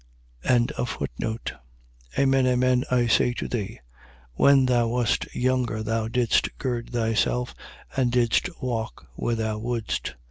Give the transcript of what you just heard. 21:18. Amen, amen, I say to thee, When thou wast younger, thou didst gird thyself and didst walk where thou wouldst.